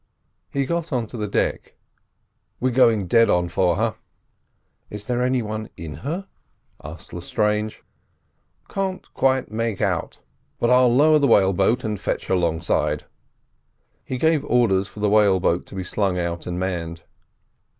He got on to the deck. "We're going dead on for her." "Is there any one in her?" asked Lestrange. "Can't quite make out, but I'll lower the whale boat and fetch her alongside." He gave orders for the whale boat to be slung out and manned.